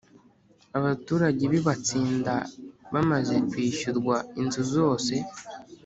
abaturage b i Batsinda bamaze kwishyurwa inzu zose